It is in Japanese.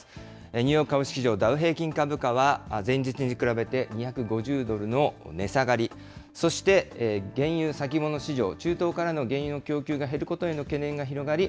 ニューヨーク株式市場ダウ平均株価は、前日に比べて２５０ドルの値下がり、そして原油先物市場、中東からの原油の供給が減ることへの懸念が広がり、